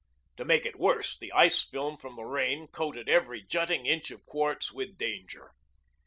To make it worse, the ice film from the rain coated every jutting inch of quartz with danger.